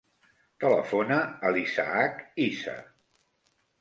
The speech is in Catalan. Telefona a l'Isaac Iza.